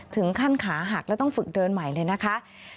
ขาหักแล้วต้องฝึกเดินใหม่เลยนะคะ